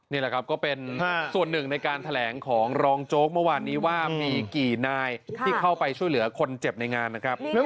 นี่แหละครับก็เป็นส่วนหนึ่งในการแถลงของรองโจ๊กเมื่อวานนี้ว่ามีกี่นายที่เข้าไปช่วยเหลือคนเจ็บในงานนะครับ